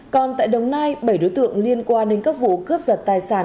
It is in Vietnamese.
còn tại đồng nai bảy đối tượng liên quan đến các vụ cướp giật tài sản